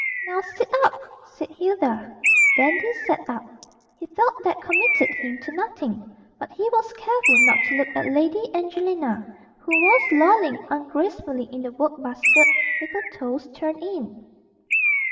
'Now sit up,' said Hilda. Dandy sat up. He felt that committed him to nothing, but he was careful not to look at Lady Angelina, who was lolling ungracefully in the work basket with her toes turned in.